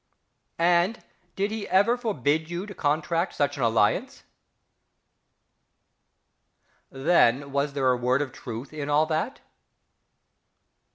And did he ever forbid you to contract such an alliance?... Then was there a word of truth in all that?...